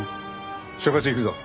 所轄行くぞ。